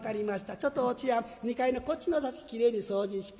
ちょっとおちょやん２階のこっちの座席きれいに掃除して。